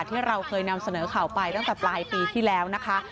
ที่เราเคยนำเสนอข่าวไปตั้งแต่ปลายปีที่แล้วนะคะ